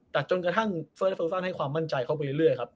แต่จนกระทั่งเฟอร์โฟซันให้ความมั่นใจเข้าไปเรื่อยครับ